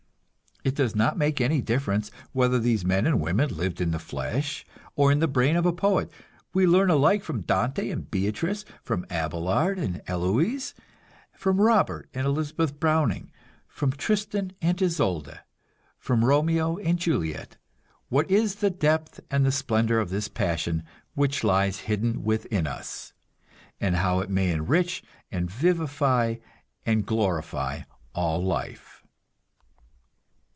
It does not make any difference whether these men and women lived in the flesh, or in the brain of a poet we learn alike from Dante and Beatrice, from Abélard and Héloïse, from Robert and Elizabeth Browning, from Tristan and Isolde, from Romeo and Juliet, what is the depth and the splendor of this passion which lies hidden within us, and how it may enrich and vivify and glorify all life.